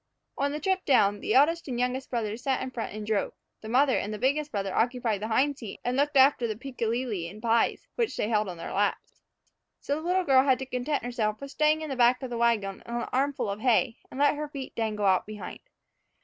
On the trip down, the eldest and youngest brothers sat in front and drove. Their mother and the biggest brother occupied the hind seat and looked after the piccalilli and pies, which they held on their laps. So the little girl had to content herself with staying in the back of the wagon on an armful of hay and letting her feet dangle out behind.